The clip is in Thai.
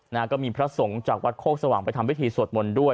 นะฮะก็มีพระสงฆ์จากวัดโคกสว่างไปทำพิธีสวดมนต์ด้วย